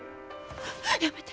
やめて。